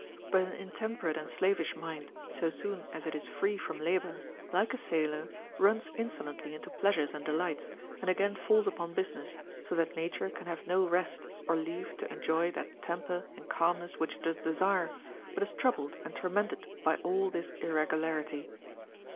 But an intem perate and slavish mind, so soon as it is free from labor, like a sailor, runs insolently into pleasures and deliglits, and again falls upon business, so that nature can have no rest or leave to enjoy that temper and calmness which it does desire, but is troubled and tormented by all this irregularity.